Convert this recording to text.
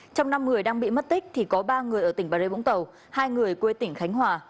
trong năm người đang bị mất tích thì có ba người ở tỉnh bà rê vũng tàu hai người quê tỉnh khánh hòa